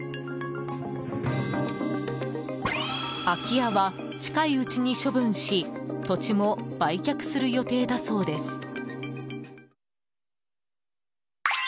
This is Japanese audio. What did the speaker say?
空き家は、近いうちに処分し土地も売却する予定だそうです。